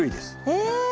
え！